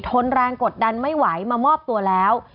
นแรงกดดันไม่ไหวมามอบตัวแล้ว